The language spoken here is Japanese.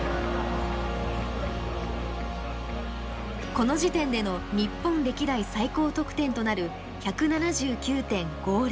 この時点での日本歴代最高得点となる１７９．５０。